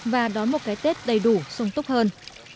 và đón một cái tết đầy đủ sung túc hơn